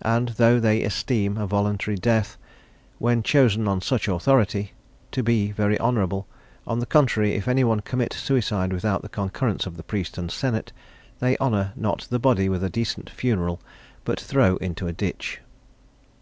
And though they esteem a voluntary death, when chosen on such authority, to be very honourable, on the contrary, if any one commit suicide without the concurrence of the priest and senate, they honour not the body with a decent funeral, but throw into a ditch.